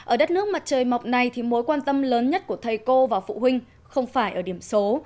ở đất nước mặt trời mọc này thì mối quan tâm lớn nhất của thầy cô và phụ huynh không phải ở điểm số